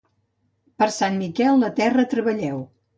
Per Sant Miquel la terra treballeu.